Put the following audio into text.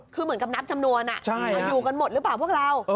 คือเหมือนกับนับจำนวนอยู่กันหมดหรือเปล่าพวกเรา